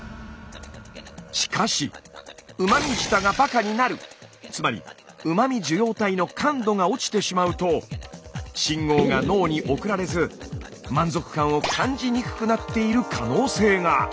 しかしつまりうま味受容体の感度が落ちてしまうと信号が脳に送られず満足感を感じにくくなっている可能性が。